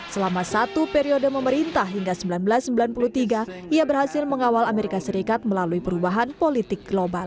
selama satu periode memerintah hingga seribu sembilan ratus sembilan puluh tiga ia berhasil mengawal amerika serikat melalui perubahan politik global